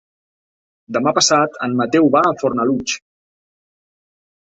Demà passat en Mateu va a Fornalutx.